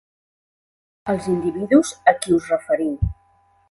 Els individus a qui us referiu.